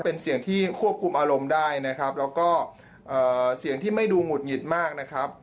เป็นเสียงที่ควบคุมอารมณ์ได้นะครับแล้วก็เสียงที่ไม่ดูหงุดหงิดมากนะครับ